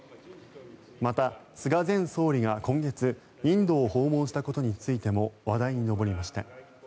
また、菅前総理が今月インドを訪問したことについても話題に上りました。